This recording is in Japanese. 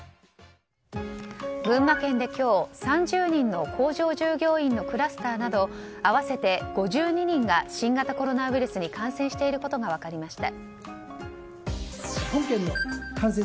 群馬県で今日、３０人の工場従業員のクラスターなど合わせて５２人が新型コロナウイルスに感染していることが分かりました。